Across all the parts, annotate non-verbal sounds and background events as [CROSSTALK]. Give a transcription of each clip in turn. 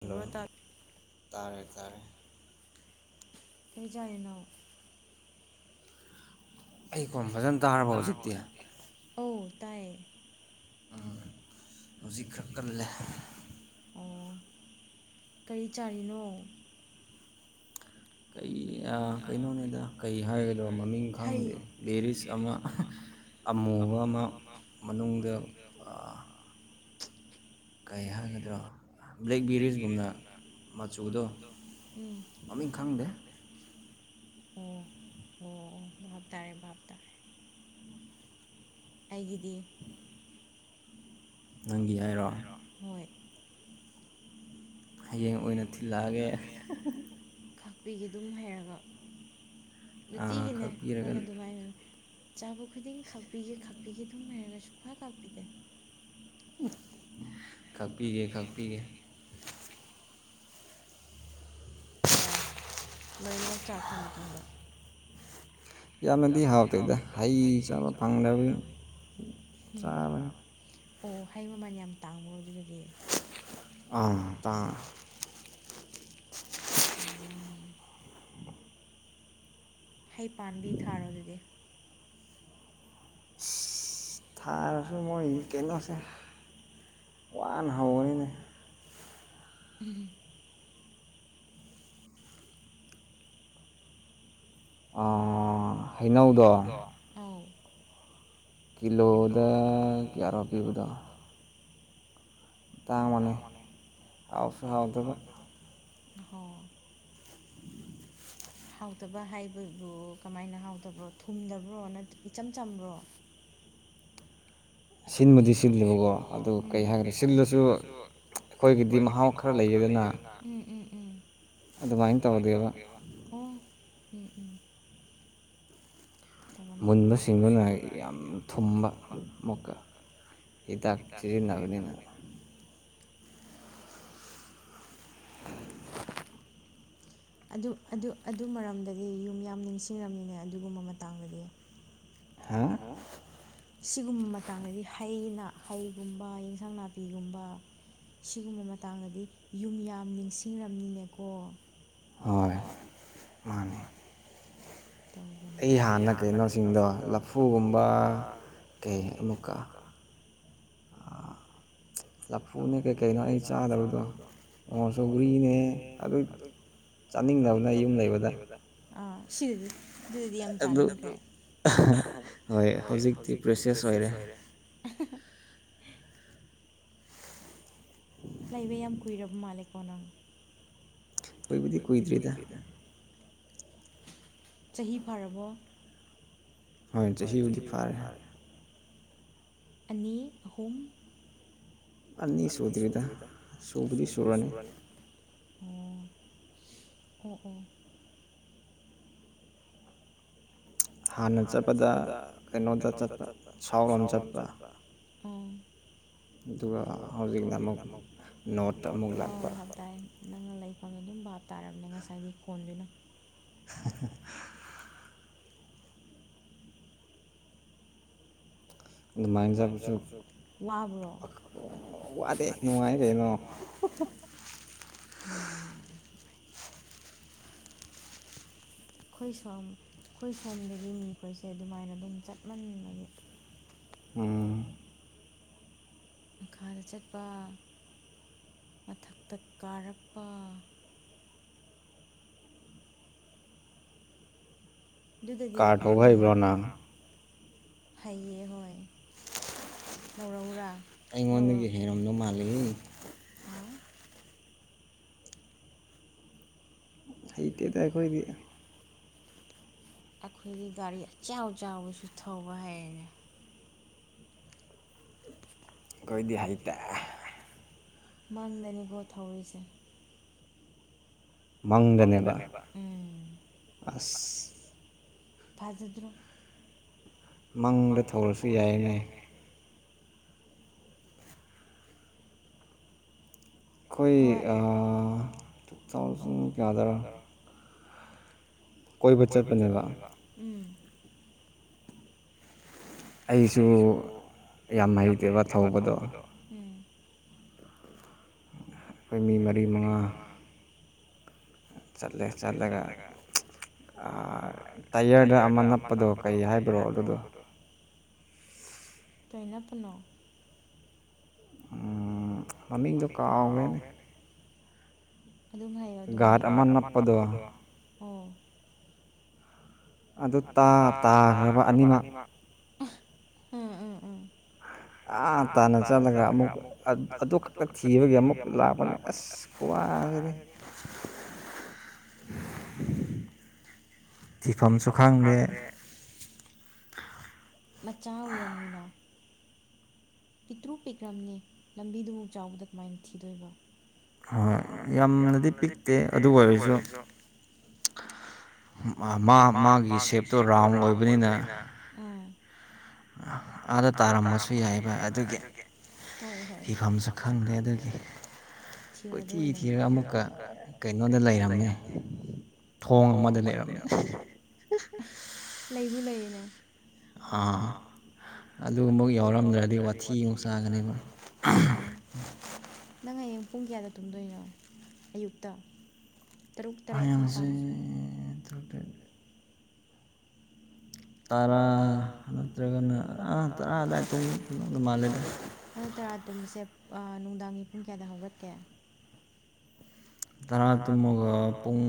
hello ꯇꯥꯔꯦ ꯇꯥꯔꯦ ꯀꯩ ꯆꯥꯔꯤꯅꯣ ꯑꯩ ꯈꯣꯟ ꯐꯖꯅ ꯇꯥꯔꯕꯣ ꯍꯧꯖꯤꯛꯇꯤ ꯑꯧ ꯇꯥꯏ ꯎꯝ ꯍꯧꯖꯤꯛ ꯈꯔ ꯀꯜꯂꯦ ꯑꯣ ꯀꯔꯤ ꯆꯥꯔꯤꯅꯣ ꯀꯩ ꯑꯥ ꯀꯩꯅꯣꯅꯤꯗ ꯀꯩ ꯍꯥꯏꯒꯗꯧ ꯃꯃꯤꯡ ꯈꯪꯗꯦ ꯕꯦꯔꯤꯁ ꯑꯃ ꯑꯍꯥ ꯑꯃꯨ ꯑꯃꯨꯕ ꯑꯃ ꯃꯅꯨꯡꯗ ꯑꯥ ꯀꯩ ꯍꯥꯏꯒꯗ꯭ꯔꯥ ꯕ꯭ꯂꯦꯛꯕꯦꯔꯤꯁꯒꯨꯝꯅ ꯃꯆꯨꯗꯣ ꯃꯃꯤꯡ ꯈꯪꯗꯦ ꯎꯝ ꯎꯝ ꯎꯝ ꯚꯥꯞ ꯇꯥꯔꯦ ꯚꯥꯞ ꯇꯥꯔꯦ ꯑꯩꯒꯤꯗꯤ ꯅꯪꯒꯤ ꯍꯥꯏꯔꯣ ꯍꯌꯦꯡ ꯑꯣꯏꯅ ꯊꯤꯜꯂꯛꯑꯒꯦ [UNINTELLIGIBLE] ꯄꯤꯒꯦ ꯑꯗꯨꯝ ꯍꯥꯏꯔꯒ ꯅꯨꯡꯇꯤꯒꯤꯅꯦ ꯅꯪꯅ ꯑꯗꯨꯃꯥꯏꯅ ꯆꯥꯕ ꯈꯨꯗꯤꯡ ꯈꯥꯛꯄꯤꯒꯦ ꯈꯥꯛꯄꯤꯒꯦ ꯑꯗꯨꯝ ꯍꯥꯏꯔꯒ ꯁꯨꯈꯥꯛ ꯈꯥꯛꯄꯤꯗꯦ [UNINTELLIGIBLE] ꯈꯥꯛꯄꯤꯒꯦ ꯈꯥꯛꯄꯤꯒꯦ ꯀꯗꯥꯏ ꯂꯣꯏꯅꯃꯛ ꯆꯥꯈ꯭ꯔ ꯃꯇꯨꯡꯗ ꯌꯥꯝꯅꯗꯤ ꯍꯥꯎꯇꯦꯗ ꯍꯩ ꯆꯥꯕ ꯐꯪꯗꯕꯒꯤ ꯆꯥꯕꯅꯦ ꯑꯣ ꯍꯩ ꯃꯃꯜ ꯌꯥꯝ ꯇꯥꯡꯕ꯭ꯔꯣ ꯑꯗꯨꯗꯗꯤ [UNINTELLIGIBLE] ꯍꯩ ꯄꯥꯟꯕꯤ ꯊꯥꯔꯣ ꯑꯗꯨꯗꯤ ꯊꯥꯔꯁꯨ ꯃꯣꯏ ꯀꯩꯅꯣꯁꯦ ꯋꯥꯅ ꯍꯧꯕꯅꯤꯅꯦ ꯎꯝ ꯑꯥ ꯍꯩꯅꯧꯗꯣ ꯑꯧ ꯀꯤꯂꯣꯗ ꯀꯌꯥꯔꯣ ꯄꯤꯕꯗꯣ ꯇꯥꯡꯕꯅꯦ ꯍꯥꯎꯁꯨ ꯍꯥꯎꯇꯕ ꯍꯣꯏ ꯍꯥꯎꯇꯕ ꯍꯥꯏꯕꯕꯨ ꯀꯃꯥꯏꯅ ꯍꯥꯎꯇꯕ꯭ꯔꯣ ꯊꯨꯝꯗꯕ꯭ꯔꯣ ꯅꯠꯇ꯭ꯔ ꯏꯆꯝ ꯆꯝꯕ꯭ꯔꯣ [INAUDIBLE] ꯁꯤꯟꯕꯨꯗꯤ ꯁꯤꯜꯂꯦꯕꯀꯣ ꯑꯗꯨ ꯀꯩ ꯍꯥꯏꯒꯗ ꯁꯤꯜꯂꯁꯨ ꯑꯩꯈꯣꯏꯒꯤꯗꯤ ꯃꯍꯥꯎ ꯈꯔ ꯂꯩꯌꯦꯗꯅ ꯎꯝ ꯎꯝ ꯑꯗꯨꯃꯥꯏ ꯇꯧꯗꯦꯕ ꯑꯣ ꯎꯝ ꯎꯝ ꯃꯨꯟꯕꯁꯤꯡꯗꯨꯅ ꯌꯥꯝ ꯊꯨꯝꯕ ꯑꯃꯨꯛꯀ ꯍꯤꯗꯥꯛ ꯁꯤꯖꯤꯟꯅꯕꯅꯤꯅ [INAUDIBLE] ꯑꯗꯨ ꯑꯗꯨ ꯑꯗꯨ ꯃꯔꯝꯗꯗꯤ ꯌꯨꯝ ꯌꯥꯝ ꯅꯤꯡꯁꯤꯡꯔꯝꯃꯤꯅꯦ ꯑꯗꯨꯒꯨꯝꯕ ꯃꯇꯥꯡꯗꯗꯤ ꯍꯥ ꯁꯤꯒꯨꯝꯕ ꯃꯇꯥꯡꯗꯗꯤ ꯍꯩꯅ ꯍꯩꯒꯨꯝꯕ ꯑꯦꯟꯖꯥꯡ ꯅꯄꯤꯒꯨꯝꯕ ꯁꯤꯒꯨꯝꯕ ꯃꯇꯥꯡꯗꯗꯤ ꯌꯨꯝ ꯌꯥꯝ ꯅꯤꯡꯁꯤꯡꯔꯝꯅꯤꯅꯦꯀꯣ ꯍꯣꯏ ꯃꯅꯤ ꯇꯧꯕ ꯑꯩ ꯍꯥꯅ ꯀꯩꯅꯣꯁꯤꯡꯗꯣ ꯂꯐꯨꯒꯨꯝꯕ ꯀꯩ ꯑꯃꯨꯛꯀ [INAUDIBLE] ꯂꯐꯨꯅꯦ ꯀꯩꯀꯩꯅꯣ ꯑꯩꯅ ꯆꯥꯗꯕꯗꯣ ꯑꯣ ꯁꯧꯒ꯭ꯔꯤꯅꯦ ꯑꯗꯨ ꯆꯥꯅꯤꯡꯗꯕꯅ ꯌꯨꯝ ꯂꯩꯕꯗ ꯑꯥ ꯁꯤꯗꯗꯤ ꯑꯗꯨꯗꯗꯤ ꯌꯥꯝ ꯆꯥꯅꯤꯡꯈ꯭ꯔꯦ ꯑꯗꯨ ꯑꯍ ꯍꯣꯏ ꯍꯧꯖꯤꯛꯇꯤ ꯄ꯭ꯔꯦꯁꯦꯁ ꯑꯣꯏꯔꯦ ꯂꯩꯕ ꯌꯥꯝ ꯀꯨꯏꯔꯕ ꯃꯜꯂꯦꯀꯣ ꯅꯪ ꯀꯨꯏꯕꯨꯗꯤ ꯀꯨꯏꯗ꯭ꯔꯤꯗ ꯆꯍꯤ ꯐꯥꯔꯕꯣ ꯍꯣꯏ ꯆꯍꯤꯕꯨꯗꯤ ꯐꯥꯔꯦ ꯑꯅꯤ ꯑꯍꯨꯝ ꯑꯅꯤ ꯁꯨꯗ꯭ꯔꯤꯗ ꯁꯨꯕꯨꯗꯤ ꯁꯨꯔꯅꯤ ꯑꯣ ꯑꯣ ꯑꯣ ꯍꯥꯅ ꯆꯠꯄꯗ ꯀꯩꯅꯣꯗ ꯆꯠꯄ ꯁꯥꯎꯔꯣꯝ ꯆꯠꯄ ꯑꯣ ꯑꯗꯨꯒ ꯍꯧꯖꯤꯛꯅ ꯑꯃꯨꯛ ꯅꯣꯠꯇ ꯑꯃꯨꯛ ꯂꯥꯛꯄ ꯅꯪꯅ ꯂꯩꯐꯝ ꯑꯗꯨꯝ ꯚꯥꯞ ꯇꯥꯔꯕꯅꯦ ꯉꯁꯥꯏꯒꯤ ꯐꯣꯟꯗꯨꯅ [UNINTELLIGIBLE] ꯗꯨꯃꯥꯏ ꯆꯕꯖꯨ ꯋꯕ꯭ꯔꯣ ꯋꯗꯦ ꯅꯨꯡꯉꯥꯏ ꯀꯩꯅꯣ [UNINTELLIGIBLE] ꯈꯣꯏ ꯁꯣꯝ ꯈꯣꯏ ꯁꯣꯝꯗꯒꯤ ꯃꯤꯈꯣꯏꯁꯦ ꯑꯗꯨꯃꯥꯏꯅ ꯑꯗꯨꯝ ꯆꯠꯃꯟꯕꯒꯤ ꯎꯝ ꯃꯈꯥꯗ ꯆꯠꯄ ꯃꯊꯛꯇ ꯀꯥꯔꯛꯄ ꯗꯨꯗꯗꯤ ꯈꯣꯏꯅꯤ ꯀꯥꯔ ꯊꯧ ꯍꯩꯕ꯭ꯔꯣ ꯅ ꯍꯩꯌꯦ ꯍꯣꯏ ꯂꯧꯔꯛ ꯎꯔ ꯑꯩꯉꯣꯟꯗꯒꯤ ꯍꯩꯔꯝꯗꯧ ꯃꯥꯜꯂꯦ ꯍꯩꯇꯦꯗ ꯑꯈꯣꯏꯗꯤ ꯑꯈꯣꯏꯒꯤ ꯒꯥꯔꯤ ꯑꯆꯥꯎ ꯆꯥꯎꯕꯁꯨ ꯊꯧꯕ ꯍꯩꯔꯦꯅꯦ ꯈꯣꯏꯗꯤ ꯍꯩꯇꯦ ꯃꯥꯡꯗꯅꯤꯀꯣ ꯊꯥꯎꯔꯤꯖꯦ ꯃꯪꯗꯅꯦꯕ ꯑꯁ ꯐꯖꯗ꯭ꯔꯣ ꯃꯪꯗ ꯊꯧꯔꯁꯨ ꯌꯥꯏꯅꯦ ꯈꯣꯏ ꯑꯥ ꯇꯨ ꯊꯥꯎꯖꯟ ꯀꯌꯥꯗꯔ ꯀꯣꯏꯕ ꯆꯠꯄꯅꯦꯕ ꯑꯩꯁꯨ ꯌꯥꯝ ꯍꯩꯇꯦꯕ ꯊꯧꯕꯗꯣ ꯈꯣꯏ ꯃꯤ ꯃꯔꯤ ꯃꯉꯥ ꯆꯠꯂꯦ ꯆꯠꯂꯒ ꯇꯥꯏꯌꯔꯗ ꯑꯃ ꯅꯞꯄꯗꯣ ꯀꯩ ꯍꯥꯏꯕ꯭ꯔꯣ ꯑꯗꯨꯗꯣ ꯀꯩ ꯅꯞꯄꯅꯣ ꯃꯃꯤꯡꯗꯣ ꯀꯥꯥꯎꯈ꯭ꯔꯦꯅꯦ ꯑꯗꯨꯝ ꯍꯥꯏꯌꯣ ꯑꯗꯨꯝ ꯍꯥꯏꯌꯣ ꯀꯥꯠ ꯑꯃ ꯅꯞꯄꯗꯣ ꯑꯣ ꯑꯗꯨ ꯇꯥ ꯇꯥꯈ꯭ꯔꯕ ꯑꯅꯤꯃꯛ ꯎꯝ ꯎꯝ ꯎꯝ ꯑꯥ ꯇꯥꯟꯅ ꯆꯠꯂꯒ ꯑꯃꯨꯛ ꯑꯗꯨ ꯈꯛꯇ ꯊꯤꯕꯒꯤ ꯑꯃꯨꯛ ꯂꯥꯛꯄꯅꯦ ꯑꯁ ꯈꯨꯋꯥꯗꯤ ꯐꯥꯔꯦ [INAUDIBLE] ꯊꯤꯐꯝꯁꯨ ꯈꯪꯗꯦ ꯃꯆꯥ ꯑꯣꯏꯔꯝꯅꯤꯅ ꯄꯤꯛꯇ꯭ꯔꯨ ꯄꯤꯔꯝꯅꯤ ꯂꯝꯕꯤꯗꯨꯃꯨꯛ ꯆꯥꯎꯕꯗꯨꯗ ꯀꯃꯥꯏꯅ ꯊꯤꯗꯣꯏꯅꯣ ꯍꯣꯏ ꯌꯥꯝꯅꯗꯤ ꯄꯤꯛꯇꯦ ꯑꯗꯨ ꯑꯣꯏꯔꯁꯨ ꯃꯥ ꯃꯥꯒꯤ ꯁꯦꯞꯇꯣ ꯔꯥꯎꯟ ꯑꯣꯏꯕꯅꯤꯅ ꯎꯝ ꯑꯥꯗ ꯇꯥꯔꯝꯕꯁꯨ ꯌꯥꯏꯌꯦꯕ ꯑꯗꯨꯒꯤ ꯍꯣꯏ ꯍꯣꯏ ꯏꯐꯝꯁꯨ ꯈꯪꯗꯦ ꯑꯗꯨꯗꯤ ꯀꯣꯏꯊꯤ ꯊꯤꯔꯒ ꯑꯃꯨꯛꯀ ꯀꯩꯅꯣꯗ ꯂꯩꯔꯝꯃꯦ ꯊꯣꯡ ꯑꯃꯗ ꯂꯩꯔꯝꯃꯦ ꯂꯩꯕꯨ ꯂꯩꯌꯦꯅꯦ ꯍꯥ ꯑꯗꯨ ꯑꯃꯨꯛ ꯌꯥꯎꯔꯝꯗ꯭ꯔꯗꯤ ꯋꯥꯊꯤꯃꯨꯛ ꯆꯥꯒꯅꯤꯕ ꯅꯪ ꯍꯌꯦꯡ ꯄꯨꯡ ꯀꯌꯥꯗ ꯇꯨꯝꯗꯣꯏꯅꯣ ꯑꯌꯨꯛꯇ ꯍꯌꯦꯡꯁꯦ ꯊꯥꯔꯗ ꯗꯦ ꯇꯔꯥ ꯅꯠꯇ꯭ꯔꯒꯅ ꯑꯥ ꯇꯔꯥ ꯑꯗꯥꯏ ꯇꯨꯝꯗꯧ ꯃꯥꯜꯂꯦ ꯕ ꯑꯗꯣ ꯇꯔꯥꯗꯤ ꯇꯨꯝꯕꯁꯦ ꯑꯥ ꯅꯨꯡꯗꯥꯡꯒꯤ ꯄꯨꯡ ꯀꯌꯥꯗ ꯍꯧꯒꯠꯀꯦ ꯇꯔꯥꯗ ꯇꯨꯝꯃꯒ ꯄꯨꯡ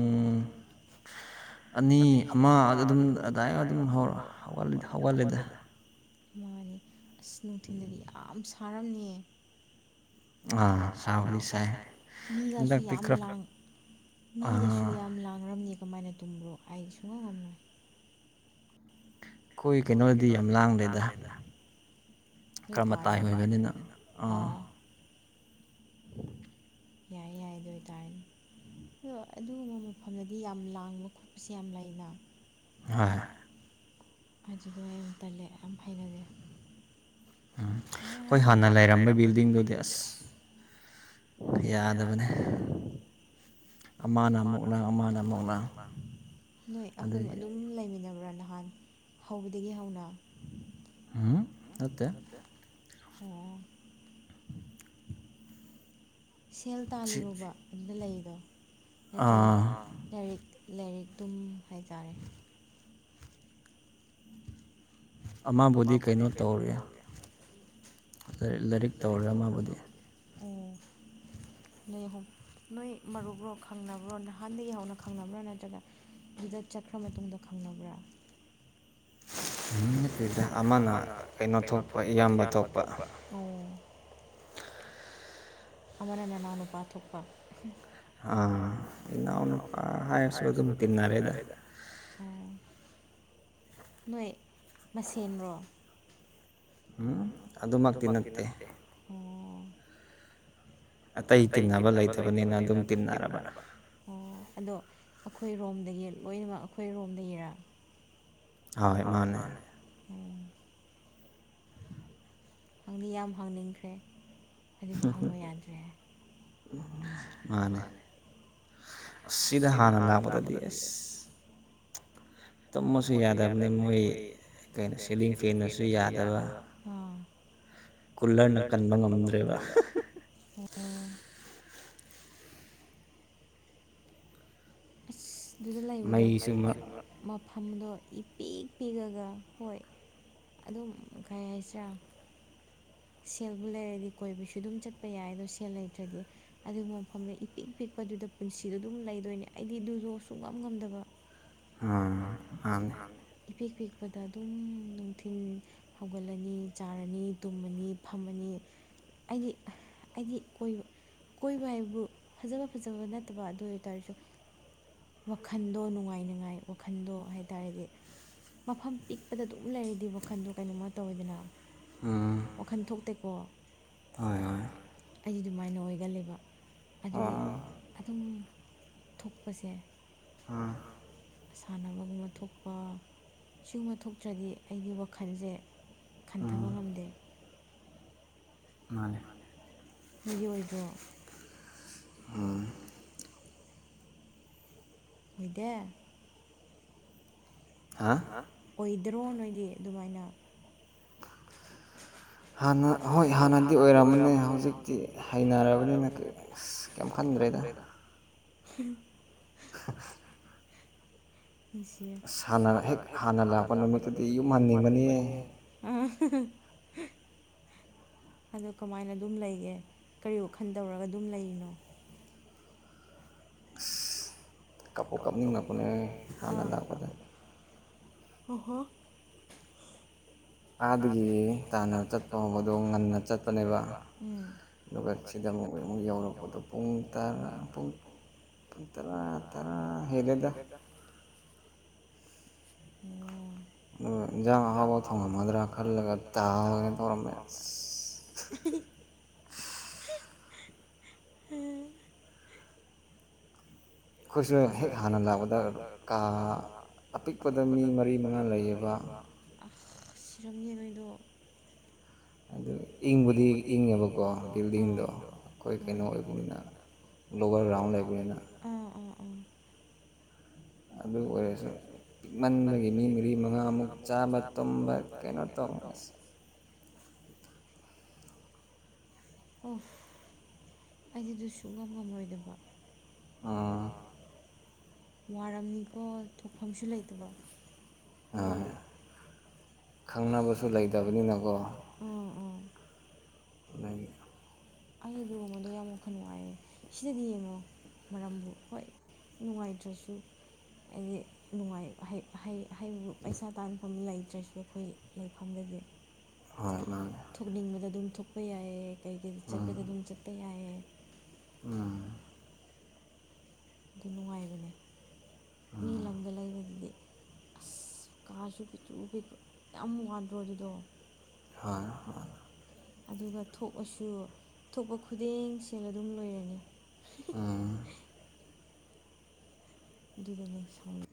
ꯑꯅꯤ ꯑꯃ ꯑꯗꯨꯝ ꯑꯗꯨꯗꯥꯏ ꯑꯗꯨꯝ ꯍꯧꯒꯠꯂꯦꯗ ꯃꯥꯅꯤ ꯑꯁ ꯅꯨꯡꯊꯤꯜꯗꯗꯤ ꯌꯥꯝ ꯁꯥꯔꯝꯅꯤꯌꯦ ꯑꯥ ꯁꯕꯨꯗꯤ ꯁꯥꯏꯌꯦ ꯃꯤꯒꯁꯨ ꯌꯥꯝ ꯂꯥꯡ ꯃꯤꯒꯁꯨ ꯌꯥꯝ ꯂꯥꯡꯔꯝꯅꯤ ꯀꯃꯥꯏꯅ ꯇꯨꯝꯕ꯭ꯔꯣ ꯑꯩꯗꯤ ꯁꯨꯡꯉꯝ ꯉꯝꯂꯣꯏ ꯑꯩꯈꯣꯏ ꯀꯩꯅꯣꯗꯤ ꯌꯥꯝ ꯂꯥꯡꯗꯦꯗ ꯅꯣꯏ ꯀꯥꯗ ꯈꯔ ꯃꯇꯥꯏ ꯑꯣꯏꯕꯅꯤꯅ ꯑꯣ [INAUDIBLE] ꯌꯥꯏ ꯌꯥꯏ ꯑꯗꯨ ꯑꯣꯏ ꯇꯥꯔꯗꯤ ꯑꯗꯣ ꯑꯗꯨꯒꯨꯝꯕ ꯃꯐꯝꯗꯗꯤ ꯌꯥꯝ ꯂꯥꯡꯕ ꯈꯣꯠꯄꯁꯦ ꯌꯥꯝ ꯂꯩꯅ ꯍꯣꯏ ꯑꯗꯨꯗꯣ ꯑꯩ ꯌꯥꯝ ꯇꯜꯂꯦ ꯌꯥꯝ ꯍꯩꯅꯗꯦ ꯎꯝ ꯑꯩꯈꯣꯏ ꯍꯥꯟꯅ ꯂꯩꯔꯝꯕ ꯕꯤꯜꯗꯤꯡꯗꯨꯗꯤ ꯑꯁ ꯌꯥꯗꯕꯅꯦ ꯑꯃꯅ ꯑꯃꯨꯛ ꯂꯥꯡ ꯑꯃꯅ ꯑꯃꯨꯛ ꯂꯥꯡ ꯅꯣꯏ ꯑꯍꯨꯝ ꯑꯗꯨꯝ ꯂꯩ ꯂꯩꯃꯤꯟꯅꯕ꯭ꯔ ꯅꯍꯥꯟ ꯍꯧꯕꯗꯒꯤ ꯍꯧꯅ ꯎꯝ ꯅꯠꯇꯦ ꯑꯣ ꯁꯦꯜ ꯇꯥꯜꯂꯤꯔꯣꯕ ꯑꯗꯨꯗ ꯂꯩꯔꯤꯗꯣ ꯅꯠꯇ꯭ꯔꯒ ꯂꯥꯏꯔꯤꯛ ꯂꯥꯏꯔꯤꯛ ꯑꯗꯨꯝ ꯍꯥꯏꯇꯥꯔꯦ ꯑꯃꯕꯨꯗꯤ ꯀꯩꯅꯣ ꯇꯧꯔꯤ ꯂꯥꯏꯔꯤꯛ ꯇꯧꯔꯤ ꯑꯃꯕꯨꯗꯤ ꯎꯝ ꯅꯣꯏ ꯑꯍꯨꯝ ꯅꯣꯏ ꯃꯔꯨꯞꯔꯣ ꯈꯪꯅꯕ꯭ꯔꯣ ꯅꯍꯥꯟꯗꯒꯤ ꯍꯧꯅ ꯈꯪꯅꯕ꯭ꯔꯥ ꯅꯠꯇ꯭ꯔꯒ ꯍꯟꯗꯛ ꯆꯠꯄ ꯃꯇꯨꯡꯗ ꯈꯪꯅꯕ꯭ꯔꯥ ꯈꯪꯅꯗꯦꯗ ꯑꯃꯅ ꯀꯩꯅꯣ ꯊꯣꯛꯄ ꯏꯌꯥꯝꯕ ꯊꯣꯛꯄ ꯑꯣ ꯑꯃꯅ ꯅꯅꯥꯎ ꯅꯨꯄꯥ ꯊꯣꯛꯄ ꯑꯥ ꯏꯅꯥꯎ ꯅꯨꯨꯄꯥ ꯍꯥꯏꯔꯁꯨ ꯑꯗꯨꯝ ꯇꯤꯟꯅꯔꯦꯗ ꯑꯣ ꯅꯣꯏ ꯃꯁꯦꯟꯔꯣ ꯎꯝ ꯑꯗꯨꯃꯛꯇꯤ ꯅꯠꯇꯦ ꯑꯇꯩ ꯇꯤꯟꯅꯕ ꯂꯩꯇꯕꯅꯤꯅ ꯑꯗꯨꯝ ꯇꯤꯟꯅꯔꯕ ꯑꯗꯣ ꯑꯈꯣꯏ ꯔꯣꯝꯗꯒꯤ ꯂꯣꯏꯅꯃꯛ ꯑꯈꯣꯏ ꯔꯣꯝꯗ ꯒꯤꯔ ꯑꯥꯍꯣꯏ ꯃꯥꯅꯦ ꯍꯪꯗꯤ ꯌꯥꯝ ꯍꯪꯅꯤꯡꯈ꯭ꯔꯦ ꯑꯗꯨꯕꯨ ꯍꯪꯕ ꯌꯥꯥꯗ꯭ꯔꯦ ꯃꯥꯅꯦ ꯁꯤꯗ ꯍꯥꯟꯅ ꯂꯥꯛꯄꯗꯗꯤ ꯑꯁ ꯇꯨꯝꯃꯁꯨ ꯌꯥꯗꯝꯅꯤ ꯃꯣꯏ ꯀꯩꯅꯣ ꯁꯦꯂꯤꯡ ꯐꯦꯟꯅꯁꯨ ꯌꯥꯗꯕ ꯎꯝ ꯀꯨꯜꯂꯔꯅ ꯀꯟꯕ ꯉꯝꯗ꯭ꯔꯦꯕ [UNINTELLIGIBLE] ꯑꯁ ꯗꯨꯗ ꯂꯩꯕꯗꯣ ꯃꯩꯁꯨ ꯃꯠ ꯃꯐꯝꯗꯣ ꯏꯄꯤꯛ ꯄꯤꯛꯑꯒ ꯍꯣꯏ ꯑꯗꯨꯝ ꯀꯩ ꯍꯥꯏꯁꯤꯔꯥ ꯁꯦꯜꯕꯨ ꯂꯩꯔꯗꯤ ꯀꯣꯏꯕꯁꯨ ꯑꯗꯨꯝ ꯆꯠꯄ ꯌꯥꯏ ꯑꯗꯣ ꯁꯦꯜ ꯂꯩꯇ꯭ꯔꯗꯤ ꯑꯗꯨꯒꯨꯝꯕ ꯃꯐꯝꯗ ꯏꯄꯤꯛ ꯄꯤꯛ ꯑꯗꯨꯗ ꯄꯨꯟꯁꯤꯗꯣ ꯑꯗꯨꯝ ꯂꯩꯗꯨꯏꯅꯦ ꯑꯩꯗꯤ ꯑꯗꯨꯖꯨ ꯁꯨꯛꯉꯝ ꯉꯝꯗꯕ ꯑꯥ ꯃꯥꯅꯦ ꯄꯗ ꯑꯗꯨꯝ ꯅꯨꯡꯊꯤꯜ ꯍꯧꯒꯠꯂꯅꯤ ꯆꯥꯔꯅꯤ ꯇꯨꯝꯃꯅꯤ ꯐꯝꯃꯅꯤ ꯑꯩꯗꯤ ꯑꯩꯗꯤ ꯀꯣꯏ ꯀꯣꯏꯕ ꯍꯥꯏꯕꯨ ꯐꯖꯕ ꯐꯖꯕ ꯅꯠꯇꯕ ꯑꯗꯨ ꯑꯣꯏ ꯇꯥꯔꯖꯨ ꯋꯥꯈꯟꯗꯣ ꯅꯨꯡꯉꯥꯏꯅꯤꯉꯥꯏ ꯋꯥꯈꯟꯗꯣ ꯍꯥꯏ ꯇꯥꯔꯗꯤ ꯃꯐꯝ ꯄꯤꯛꯄꯗ ꯑꯗꯨꯝ ꯂꯩꯔꯗꯤ ꯋꯥꯈꯟꯗꯣ ꯀꯩꯅꯣꯝꯃ ꯇꯧꯋꯦꯗꯅ ꯎꯝ ꯋꯥꯈꯜ ꯊꯣꯛꯇꯦꯀꯣ ꯍꯣꯏ ꯍꯣꯏ ꯑꯩꯗꯤ ꯑꯗꯨꯃꯥꯏꯅ ꯑꯣꯏꯒꯜꯂꯦꯕ ꯑꯗꯨꯒꯤ ꯑꯥ ꯑꯗꯨꯝ ꯊꯨꯛꯄꯁꯦ ꯎꯝ ꯁꯥꯟꯅꯕꯒꯨꯝꯕ ꯊꯣꯛꯄ ꯁꯤꯒꯨꯝꯕ ꯊꯣꯛꯇ꯭ꯔꯗꯤ ꯑꯩꯒꯤ ꯋꯥꯈꯜꯖꯦ ꯈꯟꯊꯕ ꯉꯝꯗꯦ ꯃꯥꯅꯤ ꯅꯣꯏꯒꯤ ꯑꯣꯏꯗ꯭ꯔꯣ ꯎꯝ ꯑꯣꯏꯗꯦ ꯍꯥ ꯑꯣꯏꯗꯔꯣ ꯅꯣꯏꯗꯤ ꯑꯗꯨꯃꯥꯏꯅ ꯍꯥꯟꯅ ꯍꯣꯏ ꯍꯥꯟꯅꯗꯤ ꯑꯣꯏꯔꯝꯕꯅꯦ ꯍꯧꯖꯤꯛꯇꯤ ꯍꯩꯅꯔꯕꯅꯤꯅ ꯀꯩꯝ ꯑꯁ ꯀꯩꯝ ꯈꯟꯗ꯭ꯔꯦ ꯈꯟꯗ꯭ꯔꯦꯗ [UNINTELLIGIBLE] ꯑꯩ ꯁꯤꯌꯦ ꯍꯥꯟꯅ ꯍꯦꯛ ꯍꯥꯟꯅ ꯂꯥꯛꯄ ꯅꯨꯃꯤꯠꯇꯨꯗꯤ ꯌꯨꯝ ꯍꯟꯅꯤꯡꯕꯅꯤ ꯎꯝꯎꯝ [UNINTELLIGIBLE] ꯑꯗꯨ ꯀꯃꯥꯏꯅ ꯑꯗꯨꯝ ꯂꯩꯒꯦ ꯀꯔꯤ ꯋꯥꯈꯜ ꯇꯧꯔꯒ ꯑꯗꯨꯝ ꯂꯩꯔꯤꯅꯣ ꯀꯞꯄꯨ ꯀꯞꯅꯤꯡꯂꯛꯄꯅꯦ ꯍꯥꯟꯅ ꯂꯥꯛꯄꯗ ꯍꯣꯍꯣ ꯑꯥꯗꯒꯤ ꯇꯥꯅ ꯆꯠꯄ ꯍꯧꯕꯗꯣ ꯉꯟꯅ ꯆꯠꯄꯅꯦꯕ ꯎꯝ ꯑꯗꯨꯒ ꯁꯤꯗ ꯑꯃꯨꯛ ꯑꯃꯨꯛ ꯌꯧꯔꯛꯄꯗꯣ ꯄꯨꯡ ꯇꯔꯥ ꯄꯨꯡ ꯄꯨꯡ ꯇꯔꯥ ꯇꯔꯥ ꯍꯦꯜꯂꯦꯗ ꯑꯣ ꯏꯟꯖꯥꯡ ꯑꯍꯥꯎꯕ ꯊꯣꯡꯉꯝꯒꯗ꯭ꯔꯥ ꯈꯜꯂꯒ ꯇꯥ ꯑꯣꯏꯅ ꯊꯧꯔꯝꯃꯦ ꯑꯁ [UNINTELLIGIBLE] ꯑꯝ [UNINTELLIGIBLE] ꯑꯩꯈꯣꯏꯁꯨ ꯍꯦꯛ ꯍꯥꯟꯅ ꯂꯥꯛꯄꯗ ꯀꯥ ꯑꯄꯤꯛꯄꯗ ꯃꯤ ꯃꯔꯤ ꯃꯉꯥ ꯂꯩꯌꯦꯕ ꯁꯤꯔꯝꯅꯤ ꯅꯣꯏꯗꯣ ꯑꯗꯨ ꯏꯪꯕꯨꯗꯤ ꯏꯪꯉꯦꯕꯀꯣ ꯕꯤꯜꯗꯤꯡꯗꯣ ꯑꯩꯈꯣꯏ ꯀꯩꯅꯣ ꯑꯣꯏꯕꯅꯤꯅ [UNINTELLIGIBLE] ꯔꯥꯎꯟ ꯂꯩꯕꯅꯤꯅ ꯑꯣ ꯑꯗꯨ ꯑꯣꯏꯔꯁꯨ ꯄꯤꯛꯃꯟꯕꯒꯤ ꯃꯤ ꯃꯔꯤ ꯃꯉꯥꯃꯨꯛ ꯆꯥꯕ ꯇꯨꯝꯕ ꯀꯩꯅꯣ ꯇꯧꯔ ꯑꯁ ꯑꯣ ꯑꯩꯗꯤꯗꯨ ꯁꯨꯡꯉꯝ ꯉꯝꯃꯣꯏꯗꯕ ꯎꯝ ꯋꯥꯔꯝꯅꯤꯀꯣ ꯊꯣꯛꯐꯝꯁꯨ ꯂꯩꯇꯕ ꯈꯪꯅꯕꯁꯨ ꯂꯩꯇꯕꯅꯤꯅꯀꯣ ꯎ ꯎꯝ ꯅꯪꯒꯤ ꯑꯩ ꯂꯣꯡꯕꯗꯣ ꯌꯥꯝ ꯋꯥꯈꯜ ꯅꯨꯡꯉꯥꯏꯌꯦ ꯁꯤꯗꯗꯤ ꯌꯦꯡꯉꯣ ꯃꯔꯝꯕꯨ ꯍꯣꯏ ꯅꯨꯡꯉꯥꯏꯇ꯭ꯔꯁꯨ ꯑꯩꯗꯤ ꯅꯨꯡꯉꯥꯏ ꯍꯩ ꯍꯩ ꯍꯩꯕꯨ ꯄꯩꯁꯥ ꯇꯥꯟꯐꯝ ꯂꯩꯇ꯭ꯔꯁꯨ ꯑꯩꯈꯣꯏ ꯂꯩꯐꯝꯗꯗꯤ ꯊꯣꯛꯅꯤꯡꯕꯗ ꯑꯗꯨꯝ ꯊꯣꯛꯄ ꯌꯥꯏꯌꯦ ꯀꯩ ꯀꯔꯤ ꯆꯠ ꯀꯩ ꯀꯩ ꯑꯗꯨꯝ ꯆꯠꯄ ꯌꯥꯏꯌꯦ ꯎꯝ ꯑꯗꯨ ꯅꯨꯡꯉꯥꯏꯕꯅꯦ ꯃꯤ ꯂꯝꯗ ꯂꯩꯕꯗꯨꯗꯤ ꯑꯁ ꯀꯥꯁꯨ ꯄꯤꯛꯇꯨ ꯄꯤꯛꯄ ꯌꯥꯝ ꯋꯥꯗ꯭ꯔꯣ ꯑꯗꯨꯗꯣ ꯍꯣꯏ ꯍꯣꯏ ꯑꯗꯨꯒ ꯊꯣꯛꯑꯁꯨ ꯊꯣꯛꯄ ꯈꯨꯗꯤꯡ ꯁꯦꯜ ꯑꯗꯨꯝ ꯂꯣꯏꯔꯅꯤ ꯑꯥ ꯑꯗꯨꯗꯅꯦ ꯁꯥꯎꯅ